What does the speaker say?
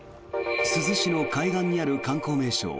珠洲市の海岸にある観光名所